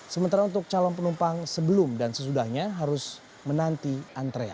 sementara untuk calon penumpang sebelum dan sesudahnya harus menanti antrean